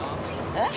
えっ？